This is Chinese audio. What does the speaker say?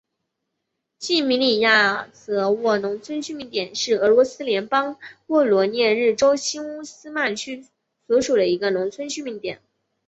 季米里亚泽沃农村居民点是俄罗斯联邦沃罗涅日州新乌斯曼区所属的一个农村居民点。